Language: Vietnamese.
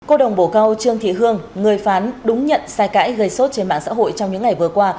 cô đồng bổ câu trương thị hương người phán đúng nhận sai cãi gây xốt trên mạng xã hội trong những ngày vừa qua